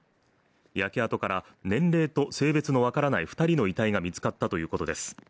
焼け跡から年齢と性別の分からない２人の遺体が見つかったということです。